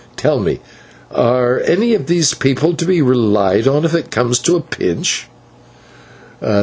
Tell me, are any of these people to be relied on if it comes to a pinch?"